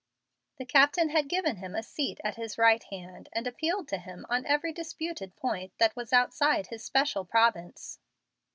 The captain had given him a seat at his right hand, and appealed to him on every disputed point that was outside of his special province.